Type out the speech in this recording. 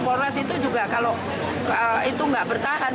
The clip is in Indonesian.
polrest itu juga kalau itu tidak bertahan